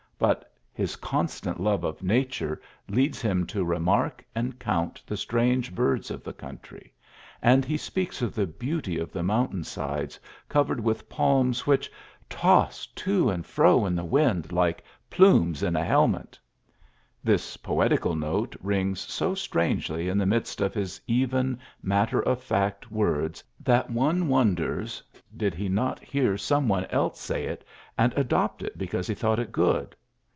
But his constant love of 22 ULYSSES S. GEANT nature leads him to remark and connt the strange birds of the country ; and he speaks of the beauty of the mountain sides covered with palms which ^^toss to and fro in the wind like plumes in a helmet." This poetical note rings so strangely in the midst of his even, mat ter of fact words that one wonders|, did he not hear some one else say it^ and adopt it because he thought it good!